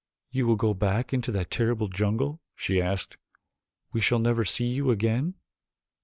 "You will go back into that terrible jungle?" she asked. "We shall never see you again?"